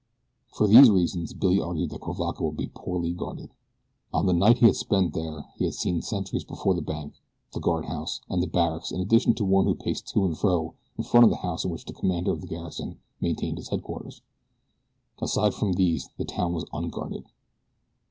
For these reasons Billy argued that Cuivaca would be poorly guarded. On the night he had spent there he had seen sentries before the bank, the guardhouse, and the barracks in addition to one who paced to and fro in front of the house in which the commander of the garrison maintained his headquarters. Aside from these the town was unguarded.